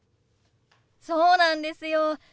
そうなんですよ。